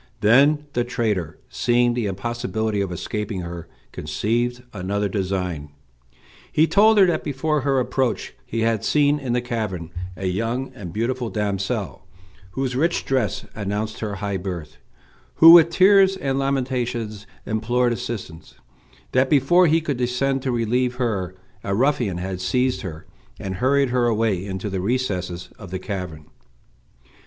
Then the traitor, seeing the impossibility of escaping her, conceived another design. He told her that before her approach he had seen in the cavern a young and beautiful damsel, whose rich dress announced her high birth, who with tears and lamentations implored assistance; that before he could descend to relieve her a ruffian had seized her, and hurried her away into the recesses of the cavern.